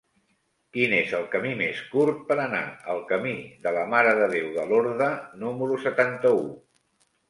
Quin és el camí més curt per anar al camí de la Mare de Déu de Lorda número setanta-u?